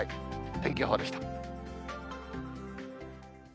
天気予報でした。